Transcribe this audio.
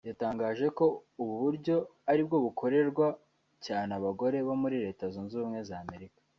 yatangaje ko ubu buryo aribwo bukorerwa cyane abagore bo muri Leta Zunze Ubumwe za Amerika